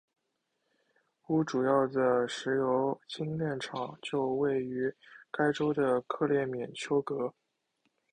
乌主要的石油精炼厂就位于该州的克列缅丘格。